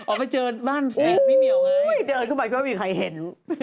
ออกไปเจอบ้านพี่เมียวไงโอ้โฮเดินเข้ามาไม่มีใครเห็น